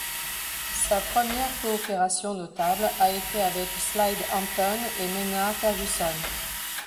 Sa première coopération notable a été avec Slide Hampton et Maynard Ferguson.